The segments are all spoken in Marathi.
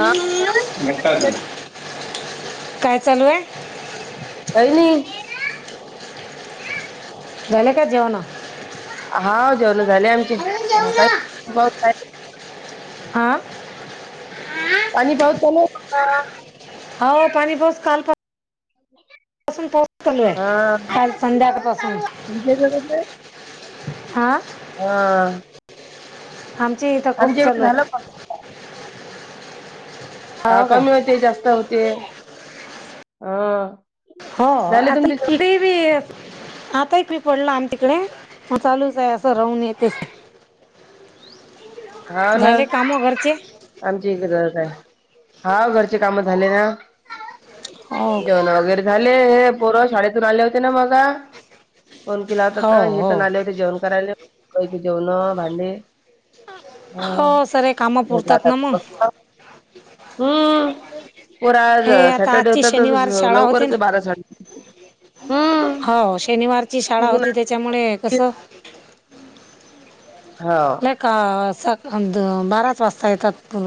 हा काय चालू आहे? काही नाही. वेले काजे होन ेवण झाले आमचे का. हा. पाणी पाहत चालू. हा पाणी बस काल पा. ह. पसून पोहलूय काल संध्याकाळपासून. तुमच्या इकडे कसं आहे हा. हा. आमची इथं खूप आमच्या इकडे चालू झालं आहे. पण हा हो काय कमी होते जास्त होते हा. हो झाले आता तुमचे जेवण इथेही बी आता एकी पडला आम तिकडे. चालूच आहे असं राहणे तेस. हा ना घरचे आमची एक गरज आहे. हा घरचे काम झाले ना हो जेवण काय वगैरे झाले. ले हे पोर शाळेतून आले होते ना मगा. फोन केला हो होताता हे तर हो नाले होते जेवण करायला जेवण भांडले. हा हो सरे कामं पुरतात ना मग हम्म. परा आज हे आता सॅटरडे आजची होता तर शनिवार शाळा होती लवकरच ना बारा सडे. हो शनिवारची शाळा होती त्याच्यामुळे कस. हा का स अ बारत वाजता ऐतात तु.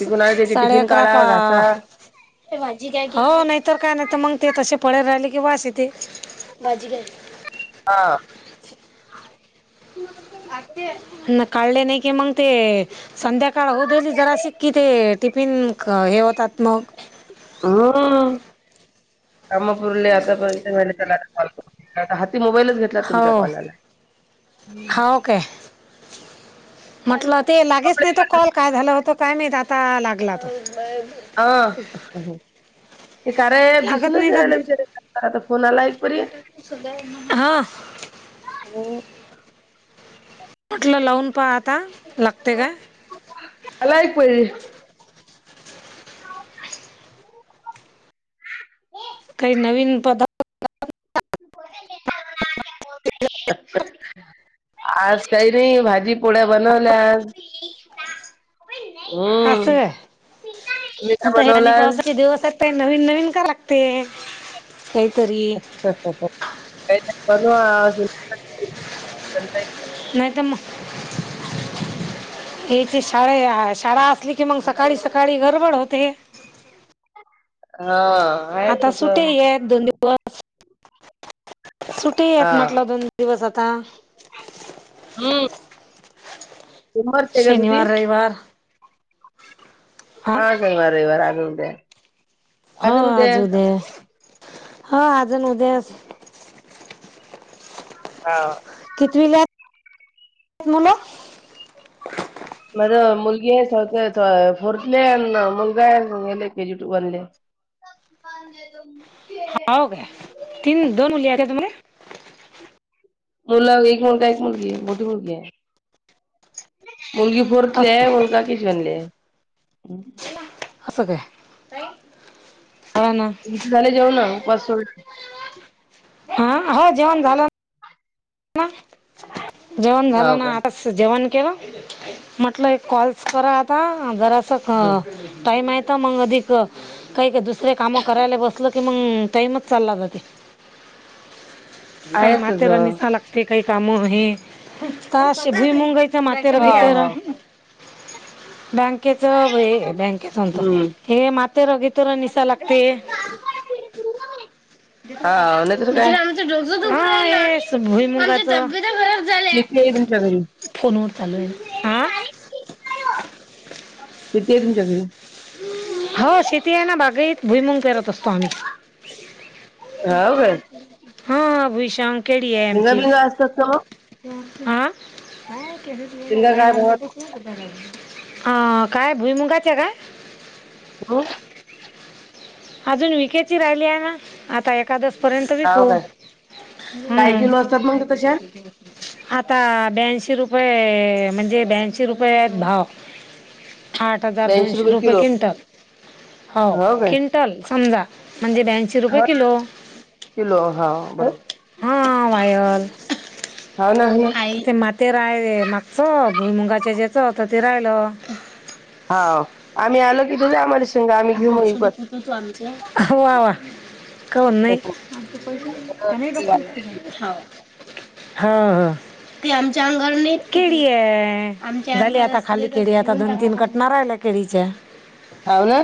तिकून आले त्याची साडे टिफिन अकरा काढा पा. घासा हो नाहीतर काय नाही तर मग ते तसे पळ राहिले. बस इथे. ह. ना काढले नाही कि मग ते. संध्याकाळ होऊ देली जरा शिककी ते टिफिन हे होतात मग. हा. कामापूरले आता पण. मोबाईलच घेतला हो तुमच्या कॉला. हो काय म्हटलं ते लागेच नाही तो कॉल काय झाला होतो काय मा आता लागला त. ह ते कारराय लागत दिसूनच नाही का नाहीला विचार करा. हा. म्हटलं लावून प आता लागते का. आला एक परी काही नवीन पदार्थ. तू आज काही नाही भाजी पोळ्या बनवल्या आज. हम्म असय तुम्ही काय आता हे पाणी बनवला पावासाठी दिवसात. त नवी नवीन का रकते. अच्छा अच्छा् का परवा. नाही तर म. हची शाळे शाळा असली कि मग सकाळी सकाळी गडबड होते. हा. आहे आता सुटे तसं. आहेत दोन दिवस. सुटे आहेत हा म्हटलं दोन दिवस आता. हम्म सोमवार ते का सुधी शनिवार रविवार. हा काहीवाारईवाार आगटय. हो आज उद्या हो अजून उद्यास. ह. पथ [unintelligible] माझ मुलगी आहे फोर्थले मुलगा आहे गेले केजी टू वनले ह [unintelligible] पण द त [unintelligible] हो काय तीन दोन मुले तुमगले मुलग एक मुणता एक मुलगी आहे मोठी मुलगी आहे. मुलगी फोरतले असं काय मुलगा [inaudible] कशनले असं का. इथ झाले जाऊ ना पास [unintelligible] हा हो जेवण झालं. जेवण हाव झालं ना काय. आताच जेवण. म्हटलं कॉल्स करा आता जरा अस हम्म टाईम आहे तर मग अधिक काही का दुसरे काम करायला बसल की मग टाईमच चालला जाते. आहेस. ते काही काम आहे का असे भुई मुंगायच मातेराग हा हा. तरर बँकेच हे बँकेच म्हत हम्म हे माते रगी तोरा निशा लागते. हा नाही तसं काय? च जोक ज [unintelligible] बरब झाल्या येते आहे तुमच्या घरी [unintelligible] फोनवर चालू आहे. कितीे आहे तुमच्या घरी? हो शेती आहे ना बागाईत भुईमंग पेरत असतो आम्ही. हाव काय हा अभशाग केडी आहे शेंगा आमची बिंगा असतात का मग ह बाय शेंगा काय भावात आ अ काय भुईमुंगाच्या काय हो. अजून विकेची राहिली आहे ना आता एखादस पर्ंतंतब क हाव काय? ह काय किलो असतात मग त्या तशा? [unintelligible] आता ब्यांशी रुपये म्हणजे ब्यांशी रुपये आहेत भाव. आठ हजार ब्याऐंशी दोनशे रुपये किलो क्विंटल हो क्विंटल समजा म्हणजे ब्यांशी रुपये हा किलो. किलो हा हो बरोबर. हा वायल ना आई ते माते राय मागचं भुई मुंगाच्या जेचं होत ते राहिल. हा आम्ही आलो की तुझ आम्हाला शेंगा आम्ही घेऊ मग डोकं विकत. दुखलं तर आमचं का हो नाही पैसे नाही. हा हा ते आमच्या अंगारणी केळी आहे भली आता खाली केळी आता दोन तीन कटणारहिल्या केळीच्या हाव ना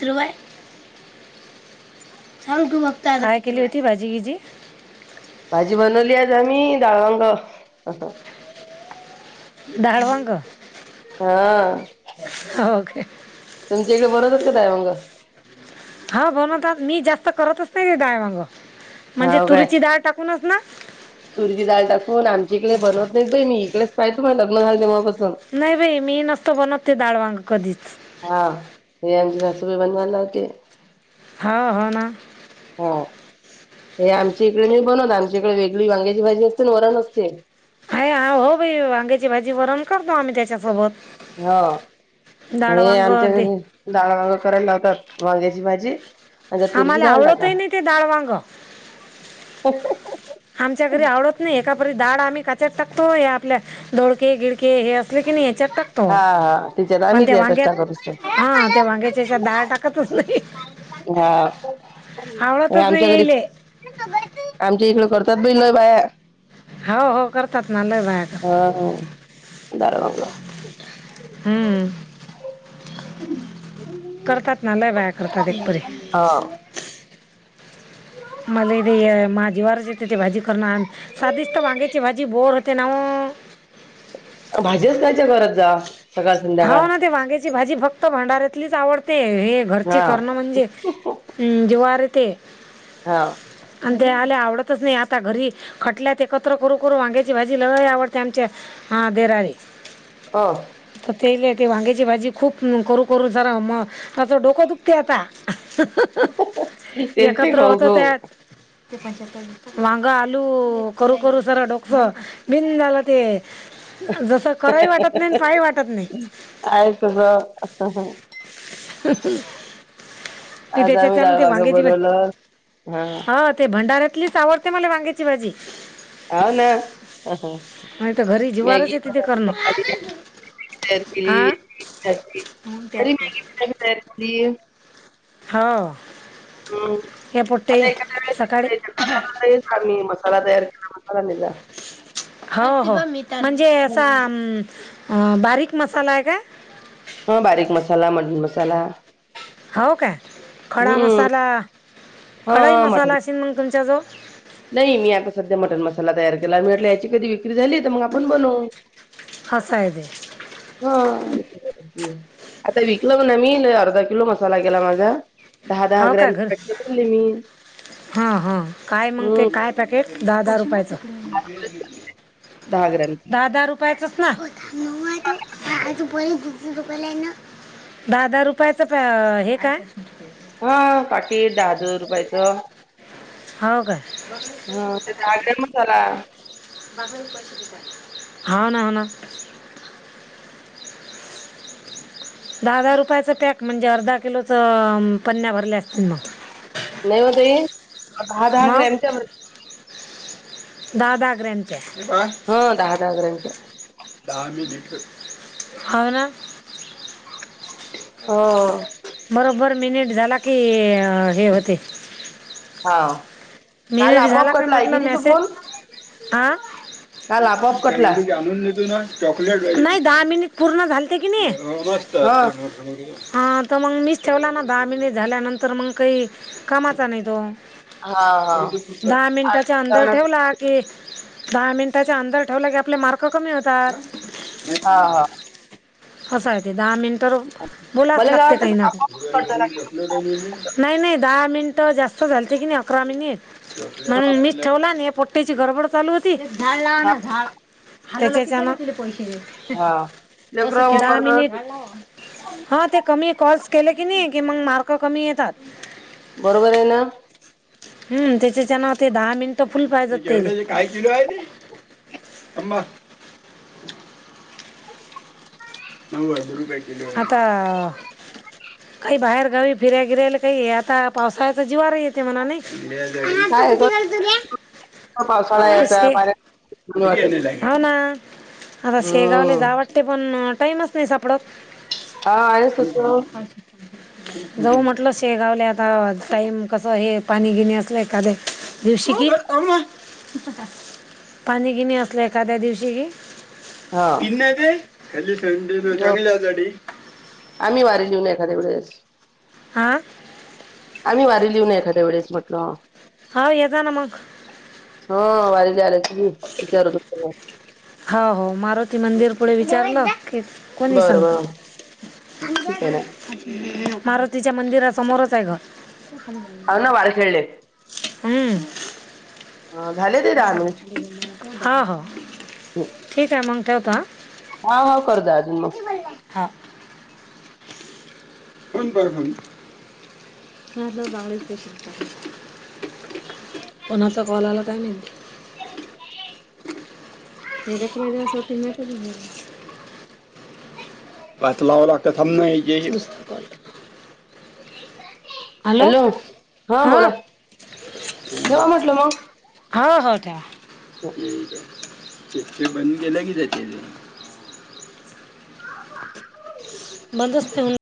ग्र [unintelligible] चाल तू हतााय केली होती भाजी की जी भाजी बनवली आज आम्ही डाळंग डाळ वांग हा. हो काय तुमच्या इकडे बनवतात का तय मंग हा ब मी जास्त करतच नाही ते ब डाळ वांग म्हणजे तुरीची डाळ टाकूनच ना तुरची डाळ टाकून आमची इकडे बनवत नाहीत बाई मी इकडेच पाय तुम्हाला लग्न झाल तेव्हा बस नाही बाई मी नसत बनतते डाळ वांग कधीच हा हे आमची सासूबाई बनवायला लावते. हो हो ना. हा हे आमच्या इकडे नाय बनवत, आमच्या इकडे वेगळी वांग्याची भाजी असते वरण असते. हो भाई वांग्याची भाजी वरण करतो आम्ही त्यांच्यासोबत. हा हे आमच्या ते घरी, डाळ, वांग करायला लावतात वांग्याची भाजी आणि त्यात तुरीची आम्हाला डाळ आवडत टाका. ही नाही ते डाळ, वांग. [unintelligible] आमच्या घरी आवडत नाही, एकापरी डाळ आम्ही काच्यात टाकतो, हे आपलं दोडके गिडके हे ते की नाही याच्यात टाकतो, हा हा तिच्यात पण आम्ही त्या त्यातच वांग्यात टाकत असतो. हा त्या वांग्याच्या याच्यात डाळ टाकतच [unintelligible] हा नाय आवडतच नाही आमच्या घरी, यायले आमच्या इकडे करतात बी लय बाया. हो हो करतात ना लय बाया कर हा डाळ वांग हम्म करतात ना, लय बाया करतात एकपरी. हा. मला बी माझी [unintelligible] येते ते भाजी करणार, साधिच तर वांग्याची भाजी बोर होते ना हो. [unintelligible] भाजीच खायच्या घरात जा, सकाळ संध्याकाळ. त्याची भाजी फक्त भंडाऱ्यातलीच आवडते, हे घरची हा करणं म्हणजे, जीवावर येते. हा त्याले आवडतच नाही, आता घरी खटल्यात एकत्र करू करू वांग्याची भाजी लय आवडते आमच्या आ दिराले. हो तेले ते वांग्याची भाजी खूप करू करून जरा म, माझं डोकं दुखते आता. तेच ते एकत्र खाऊ होतो त्यात. खाऊ वांग, आलू करू करू सारं डोकसं बिंद झालं ते. जसं करावं ही वाटत नाही काही वाट आहे तुझं आता ते त्यांच्याच आम्ही डाळ ते वांग वांगेची बनवलं हा ते भंडार्यात तिथलीच आवडते मला वांग्याची भाजी. आव ना, नाही तर घरी जिवारच मॅगी येते ते करणं [unintelligible] तयार हा केली म्हणून त्यात [unintelligible] हो हम हे पोट्टे आता एखाद्या सकाळी वेळेस आम्ही मसाला तयार केला मसाला नि जा. हो हो, म्हणजे असा बारीक मसाला आहे का? हा बारीक मसाला, मटन मसाला हो काय? खडा हम्म मसाला, हा खडाही मटन मसाला असेल मग तुमचा जवळ? नाही मी आता सध्या मटन मसाला तयार केला, म्हटले याची कधी झाली तर मग आपण बनवु, असं आहे ते हा आता विकलं म्हणा मी, अर्धा किलो मसाला गेला माझा. दहा दहा हो का ग्रॅमचे घर पॅकेट भरले मी. हां हां काय मग ते हं. काय पॅकेट दहा दहा रुपयाचं, दहा ग्रॅमचे. दहा दहा रुपयाचं [unintelligible] दहा दहा रुपयाचं प हे का? हा पाकीट दहा दहा रुपयाचं हो का? हां ते ग्रॅम मसाला. [unintelligible] हा ना हो ना दहा दहा रुपयाच पॅक म्हणजे, अर्धा किलोचं पन्न्या भरले असतील मग? नाही मते दहा दहा मग ग्रॅमच्या दहा भाकऱ्या च्या हं ग्रॅमच्या. होव ना. हो. बरोबर मिनिट झाला की हे हे होते. हाओ न काल मिनिट आपोआप झाला का कटला आहे म्हटलं की नाही तो मेसेज फोन? हा काल आपोआप काय कटला. तू जाणून देतोय ना? चॉकलेट नाही दहा मिनिट पूर्ण झालते की नाही. हं. हा तर मग मीच ठेवला ना दहा मिनिट झाल्यानंतर मग काही कामाचा नाही तो. हां, हां. दहा मिनटां आठ च अंदर सत्तावन्न ठेव ला की. दहा मिनिटाच्या अंदर ठेवला की आपले मार्क कमी होतात. हा हा होसयती दहा मिन. तर बोलाच मला काय लागते का वाटतं ना आपोआप करतात नाही नाही दहा मिन. जास्त झालते की नाही अकरा मिनिट म्हणून हा मीच ठेवला आणि पोट्ट्याची गडबड चालू होती. झाड लाव हा ना झाड हलवले की पैसे येतील. हा. हा ते लेकरं मग कमी करतात क. कॉस केले की नाही की मग मार्क कमी येतात. बरोबर हाय ना? हम् त्याच्याच्या नाव ते दहा मिनिटं फुल पाहिजेत तेला काय किलो आहे ते अममा. नऊ हजार रुपये किलो आहे आता. काही बाहेर गावी फिराय गिरायला काही येता पावसाळ्यात जीवावर येते म्हणा नाही. हा तू काय आहे भीती गं घालतो पावसाळा यायचा रे. पाण्यात वाटत हो ना. आता शेगावले हम्म जा वाटते पण टाईमच नाही साप. पडोच. हा आहेच तसं जाऊ म्हटल शेगावल्या आता टाइम कस हे पाणी गिणी असलं एखादे. दिवशी कि पाणी गीनी असलं एखाद्या दिवशी हा कि नजर खाली थंडीनं ज- चांगलं गडी. आम्ही वारी लिऊन एखाद्या वेळेस. आ? आम्ही वारी लिहऊ न एखाद्या वेळेस म्हटलं. हा ये जा ना मग. हा वारी झाले की विचार [inaudible] हा हो मारुती मंदिर पुढे विचारलं की कोणीही बरं सांगत. बरं ठीक आहे ना. मारुतीच्या मंदिरा समोरच आहे ग. हा ना वार खेळले हम. ह. हा हो. ठीक आहे मग ठेवतो हा हा कर दा ज मग. हा [inaudible] कोणाचा कॉल आला काय माहिती? [inaudible] वेगळ्या द्यासाठी माहिती पात लाव लाकते थांब ना ये. हॅलो हा बोला. ठेवा म्हटलं मग हा हा. त्या शेतक बंद केलं कि तेचे. म असतेन